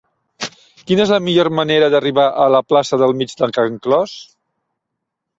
Quina és la millor manera d'arribar a la plaça del Mig de Can Clos?